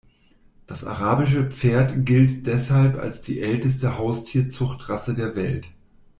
Das Arabische Pferd gilt deshalb als die älteste Haustier-Zuchtrasse der Welt.